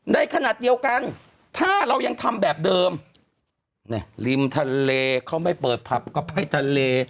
ในขณะเดียวกันถ้าเรายังทำแบบเดิมริมทะเลเขาไม่เปิดผับก็ไปทะเล